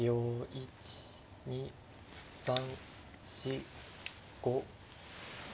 １２３４５。